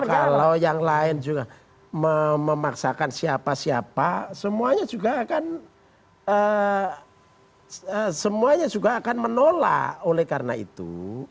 kalau yang lain juga memaksakan siapa siapa semuanya juga akan menolak oleh karena itu